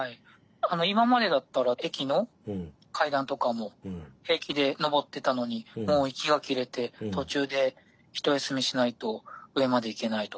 今までだったら駅の階段とかも平気で上ってたのにもう息が切れて途中で一休みしないと上まで行けないとか。